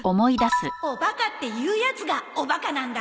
おバカって言うヤツがおバカなんだ。